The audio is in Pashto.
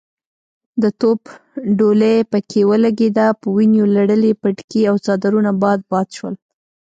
د توپ ډولۍ پکې ولګېده، په ونيو لړلي پټکي او څادرونه باد باد شول.